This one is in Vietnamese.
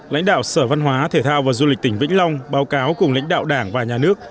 lãnh đạo sở văn hóa thể thao và du lịch tỉnh vĩnh long báo cáo cùng lãnh đạo đảng và nhà nước